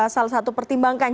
salah satu pertimbangan